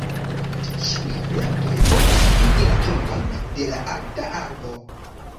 Ĉiuj plantoj povas vidi la trunkon de la alta arbo.